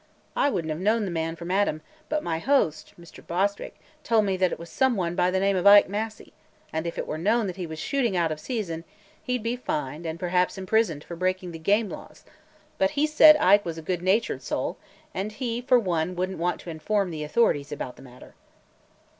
I would n't have known the man from Adam; but my host, Mr. Bostwick, told me it was some one by the name of Ike Massey and if it were known that he was shooting out of season; he 'd be fined and perhaps imprisoned for breaking the game laws. But he said Ike was a good natured soul and he for one would n't want to inform the authorities about the matter.